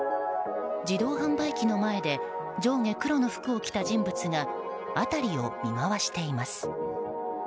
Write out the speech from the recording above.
自動販売機の前で上下黒の服を着た人物が辺りを見渡しています。